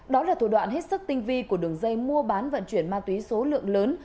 đó là thủ đoạn hết sức tinh vi của đường dây mua bán vận chuyển ma túy số lượng lớn